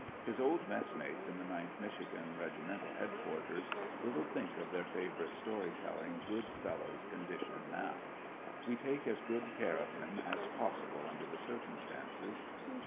His old messmates at the 9th Mich igan regimental head quarters little think of their favorite, story telling, good fellows' condition now. We take as good care of him as possible under the circumstances.